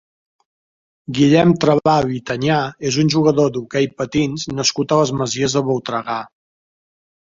Guillem Trabal i Tañá és un jugador d'hoquei patins nascut a les Masies de Voltregà.